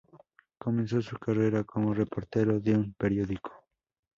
Comenzó su carrera como reportero de un periódico.